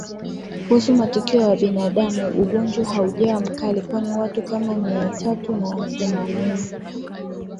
Kuhusu matukio kwa binadamu ugonjwa haujawa mkali kwani watu kama Mia tatu na themanini